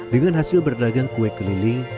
dengan hasil berdagang kue keliling